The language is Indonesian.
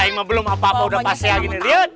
haa emang belum apa apa udah pas ya gini liut